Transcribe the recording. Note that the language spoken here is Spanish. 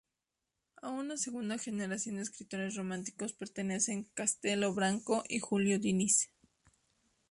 A una segunda generación de escritores románticos pertenecen Castello Branco y Julio Diniz.